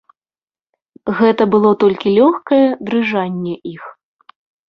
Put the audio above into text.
Гэта было толькі лёгкае дрыжанне іх.